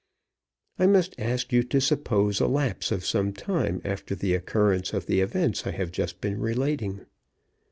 I must ask you to suppose a lapse of some time after the occurrence of the events that I have just been relating.